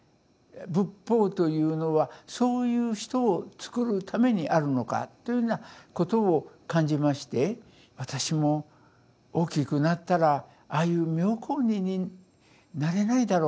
仏法というのはそういう人をつくるためにあるのか」というようなことを感じまして私も大きくなったらああいう妙好人になれないだろうか。